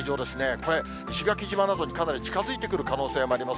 これ、石垣島などにかなり近づいてくる可能性もあります。